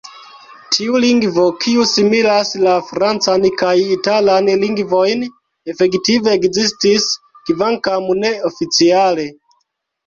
Tiu lingvo, kiu similas la francan kaj italan lingvojn, efektive ekzistis, kvankam ne oficiale.